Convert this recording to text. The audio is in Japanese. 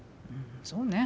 そうね。